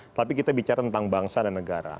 tapi kita bicara tentang bangsa dan negara